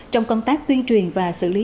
trong công tác tuyên truyền và xử lý